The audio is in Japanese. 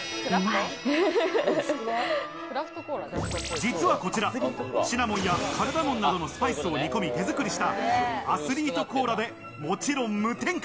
実はこちらシナモンやカルダモンなどのスパイスを煮込み、手づくりしたアスリートコーラで、もちろん無添加。